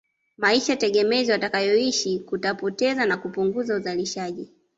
Maisha tegemezi watakayoishi kutapoteza na kupunguza uzalishaji